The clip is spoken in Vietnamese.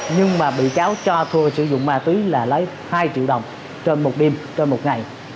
nhưng mà bị cháu cho thua sử dụng ma túy là lấy hai triệu đồng trên một đêm trên một ngày